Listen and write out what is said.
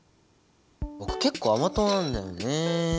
僕結構甘党なんだよね。